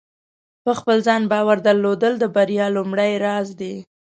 په خپل ځان باور درلودل د بریا لومړۍ راز دی.